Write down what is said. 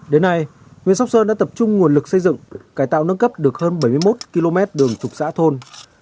đến nay huyện sóc sơn đã tập trung nguồn lực xây dựng cải tạo nâng cấp được hơn bảy mươi một km đường trục xã thôn